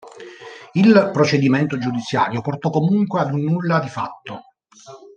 Il procedimento giudiziario portò comunque ad un nulla di fatto.